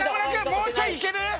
もうちょいいける？